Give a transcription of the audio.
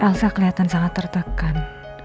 elsa keliatan sangat tertekan